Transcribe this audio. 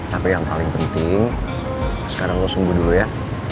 tapi yang paling penting sekarang lo sembuh dulu ya